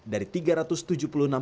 dari tiga ratus tujuh puluh enam